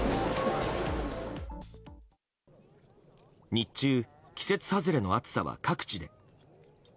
日中、季節外れの暑さは各地で。